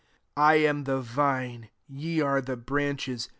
5 " I am the vine ; ye are the branches.